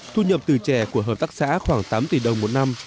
thu nhập từ chè của hợp tác xã khoảng tám tỷ đồng một năm